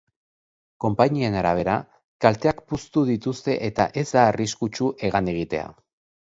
Konpainien arabera, kalteak puztu dituzte eta ez da arriskutsu hegan egitea.